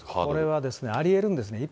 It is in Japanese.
これはですね、ありえるんですね。